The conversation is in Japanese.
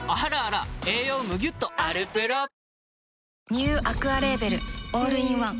ニューアクアレーベルオールインワン